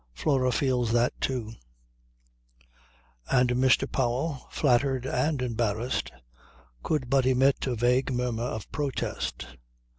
Flora feels that too." And Mr. Powell, flattered and embarrassed, could but emit a vague murmur of protest.